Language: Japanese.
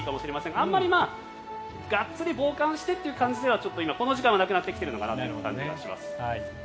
あんまりがっつり防寒してという感じではこの時間はなくなってきている感じがします。